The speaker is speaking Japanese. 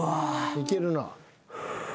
いけるな。